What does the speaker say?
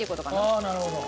あっなるほど。